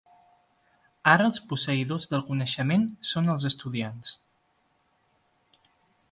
Ara, els posseïdors del coneixement són els estudiants.